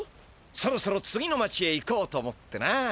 そろそろ次の町へ行こうと思ってな。